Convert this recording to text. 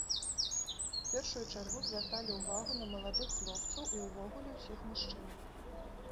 У першую чаргу звярталі ўвагу на маладых хлопцаў і ўвогуле ўсіх мужчынаў.